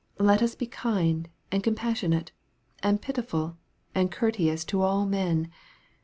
Let us be kind, and compassion ate, and pitiful, and courteous to all men.